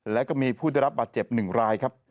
แล้วก็มีผู้ได้รับบาดเจ็บ๑รายครับ